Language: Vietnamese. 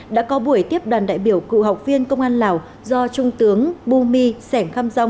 đã có buổi tiếp đoàn đại biểu cựu học viên công an lào do trung tướng bù my sẻng khăm dông